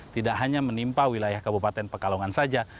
tidak hanya menimpa wilayah kabupaten pekalongan saja